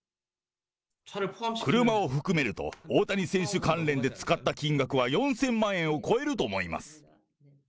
車を含めると、大谷選手関連で使った金額は４０００万円を超えると思います。